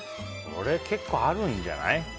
これ、結構あるんじゃない？